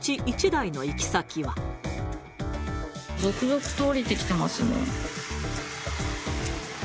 続々と降りてきていますね。